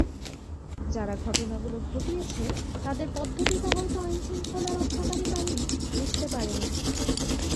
যারা ঘটনাগুলো ঘটিয়েছে, তাদের পদ্ধতিটা হয়তো আইনশৃঙ্খলা রক্ষাকারী বাহিনী বুঝতে পারেনি।